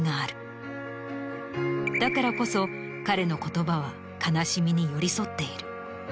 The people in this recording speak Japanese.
だからこそ彼の言葉は悲しみに寄り添っている。